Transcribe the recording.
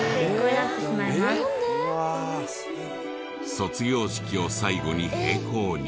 卒業式を最後に閉校に。